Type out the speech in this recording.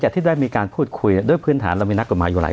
ที่ได้มีการพูดคุยด้วยพื้นฐานเรามีนักกฎหมายอยู่หลาย